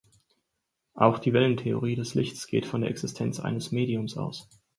Auch die Wellentheorie des Lichts geht von der Existenz eines Mediums aus.